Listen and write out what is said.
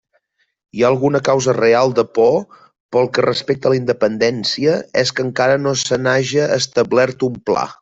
Si hi ha alguna causa real de por pel que respecta a la independència és que encara no se n'haja establert un pla.